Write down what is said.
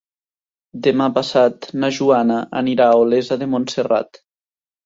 Demà passat na Joana anirà a Olesa de Montserrat.